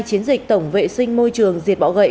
tỉnh tổng vệ sinh môi trường diệt bọ gậy